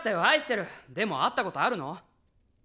愛してるでも会ったことあるの？